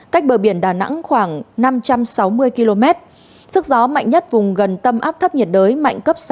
cách bờ biển đà nẵng khoảng năm trăm sáu mươi km sức gió mạnh nhất vùng gần tâm áp thấp nhiệt đới mạnh cấp sáu